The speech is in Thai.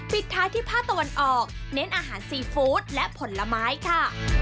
ปิดท้ายที่ภาคตะวันออกเน้นอาหารซีฟู้ดและผลไม้ค่ะ